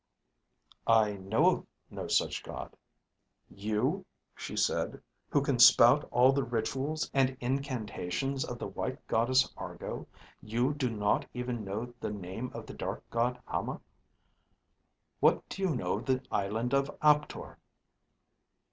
"I know of no such god." "You," she said, "who can spout all the rituals and incantations of the white goddess Argo, you do not even know the name of the dark god Hama. What do you know of the Island of Aptor?"